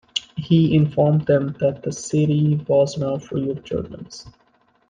He informed them that the city was now free of Germans.